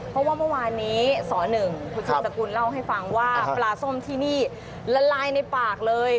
เพราะว่าเมื่อวานนี้ส๑คุณชมสกุลเล่าให้ฟังว่าปลาส้มที่นี่ละลายในปากเลย